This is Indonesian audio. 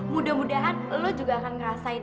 mudah mudahan lo juga akan ngerasain